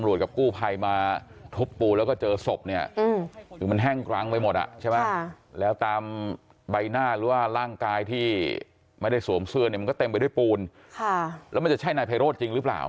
โอบดิเศคแล้วก็เจอสมมันแห้งกรั้งไปหมดอ่ะแล้วตามใบหน้าร่างกายที่ไม่ได้สวมเสือนก็เต็มไปด้วยปูนมันจะใช้นายภัยรถจริงหรือเปล่า